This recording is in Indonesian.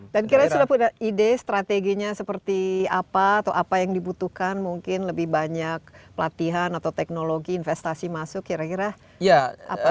dan kira kira sudah punya ide strateginya seperti apa atau apa yang dibutuhkan mungkin lebih banyak pelatihan atau teknologi investasi masuk kira kira apa yang dibutuhkan